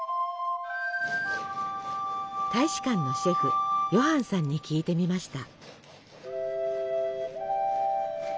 大使館のシェフヨハンさんに聞いてみました。